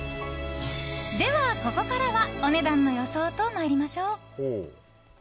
では、ここからはお値段の予想と参りましょう。